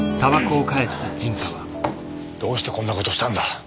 どうしてこんな事したんだ？